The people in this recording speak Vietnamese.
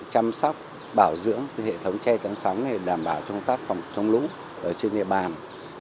chăm sóc bảo dưỡng hệ thống tre chăn sóng để đảm bảo chống tác phòng chống lũ trên địa bàn